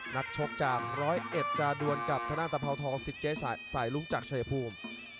นักชกจากร้อยเอ็บจะด่วนกับทะนานตะเผาทองสิทธิ์เจสายรุ้งจากเชภูมิ